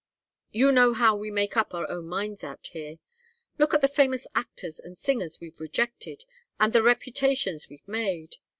You know how we make up our own minds out here. Look at the famous actors and singers we've rejected, and the reputations we've made.